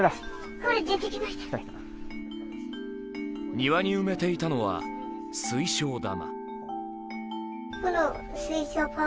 庭に埋めていたのは、水晶玉。